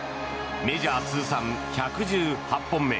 メジャー通算１１８本目。